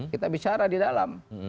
kita bicara di dalam